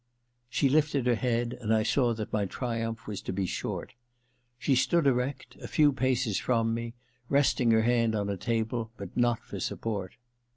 She lifted her head, and I saw that my triumph was to be short. She stood erect, a few paces from me, resting her hand on a table, but not for support.